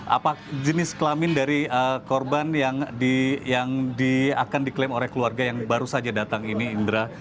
apa jenis kelamin dari korban yang akan diklaim oleh keluarga yang baru saja datang ini indra